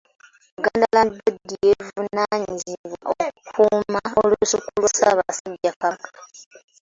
Buganda Land Board y'evunaanyizibwa okukuuma Olusuku lwa Ssaabasajja Kabaka.